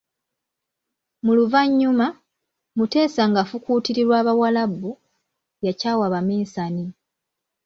Mu luvannyuma, Mutesa ng'afukuutirirwa Abawarabu, yakyawa Abaminsani.